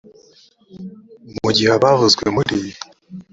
mu gihe abavuzwe muri